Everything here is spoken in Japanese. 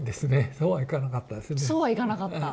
そうはいかなかった。